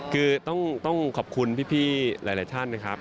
คือต้องขอบคุณพี่หลายท่านนะครับ